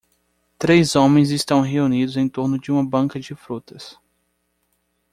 Três homens estão reunidos em torno de uma banca de frutas.